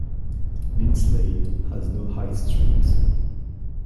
Linslade has no high street.